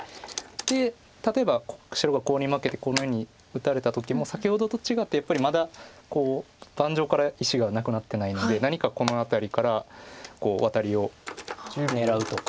で例えば白がコウに負けてこのように打たれた時も先ほどと違ってやっぱりまだ盤上から石がなくなってないので何かこの辺りからワタリを狙うとか。